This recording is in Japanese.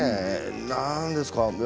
何ですかね